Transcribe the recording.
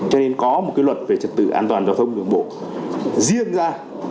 cho nên có một cái luật về trật tự an toàn giao thông đường bộ riêng ra